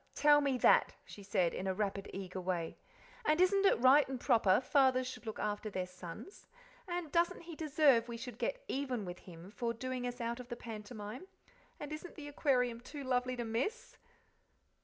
Tell me that," she said, in a rapid, eager way; "and isn't it right and proper fathers should look after their sons? And doesn't he deserve we should get even with him for doing us out of the pantomime? And isn't the Aquarium too lovely to miss?"